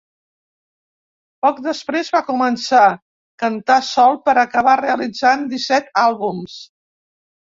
Poc després va començar cantar sol per acabar realitzant disset àlbums.